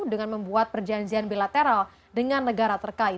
dengan membuat perjanjian bilateral dengan negara terkait